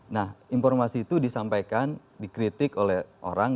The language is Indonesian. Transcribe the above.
nah informasi itu disampaikan dikritik oleh orang